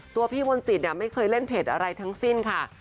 พี่มนตรีไม่เคยเล่นเพจอะไรทั้งสิ้นค่ะ